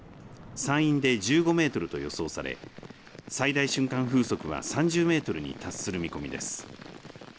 山陰で１５メートルと予想され最大瞬間風速は３０メートルに達する見込みです。